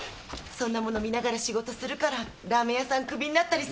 そんなもの見ながら仕事するからラーメン屋さんクビになったりするの。